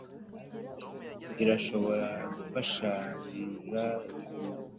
irashobora gufasha guhindura ubuzima